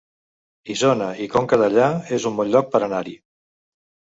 Isona i Conca Dellà es un bon lloc per anar-hi